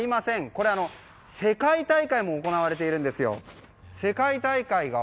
これ、世界大会も行われているんですよ。